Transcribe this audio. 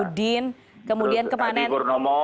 budi gunawan adi purnomo